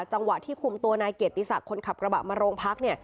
จังหวะที่คุมตัวนายเกียรติศักดิ์คนขับกระบะมาโรงพัก